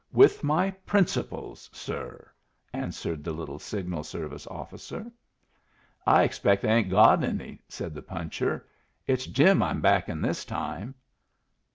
"With my principles, sir," answered the little signal service officer. "I expect I ain't got any," said the puncher. "It's Jim I'm backin' this time."